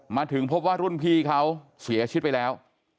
มาถึงพบว่ารุ่นพี่เขาเสียชีวิตไปแล้ว